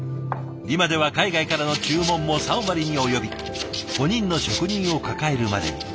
今では海外からの注文も３割に及び５人の職人を抱えるまでに。